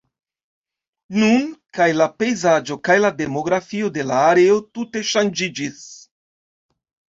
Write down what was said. Nun kaj la pejzaĝo kaj la demografio de la areo tute ŝanĝiĝis.